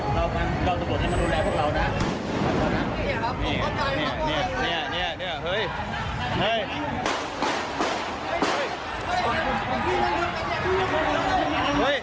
เห้ยสำรวจไปดี